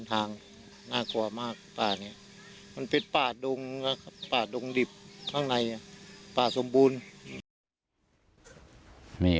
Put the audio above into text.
ทางน่ากลัวมากมันเป็นป่าดงป่าดงดิบข้างในป่าสมบูรณ์นี่